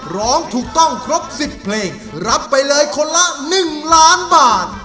ร้องถูกต้องครบ๑๐เพลงรับไปเลยคนละ๑ล้านบาท